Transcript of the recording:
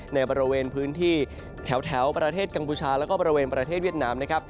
ในบริเวณพื้นที่แถวประเทศกัมพูชาแล้วก็บริเวณประเทศเวียดนามนะครับ